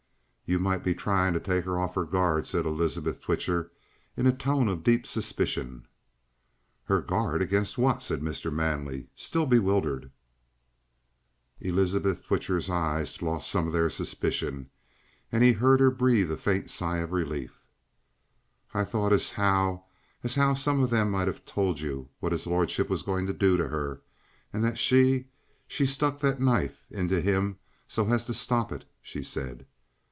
"You might be trying to take her off her guard," said Elizabeth Twitcher in a tone of deep suspicion. "Her guard against what?" said Mr. Manley, still bewildered. Elizabeth's Twitcher's eyes lost some of their suspicion, and he heard her breathe a faint sigh of relief. "I thought as 'ow as how some of them might have told you what his lordship was going to do to her, and that she she stuck that knife into him so as to stop it," she said.